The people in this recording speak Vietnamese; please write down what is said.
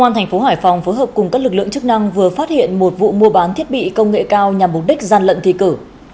công an thành phố hải phòng phối hợp cùng các lực lượng chức năng vừa phát hiện một vụ mua bán thiết bị công nghệ cao nhằm mục đích gian lận thi cử